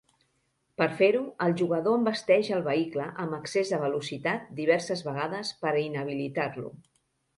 Per fer-ho, el jugador envesteix el vehicle amb excés de velocitat diverses vegades per inhabilitar-lo.